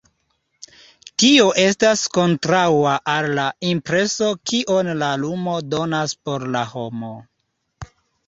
Tio estas kontraŭa al la impreso kion la lumo donas por la homo.